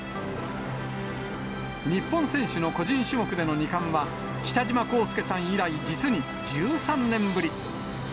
日本選手の個人種目での２冠は、北島康介さん以来、実に１３年ぶり。